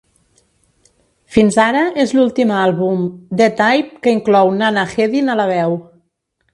Fins ara és l'últim àlbum d'E-Type que inclou Nana Hedin a la veu.